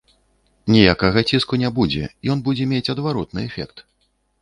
Ніякага ціску не будзе, ён будзе мець адваротны эфект.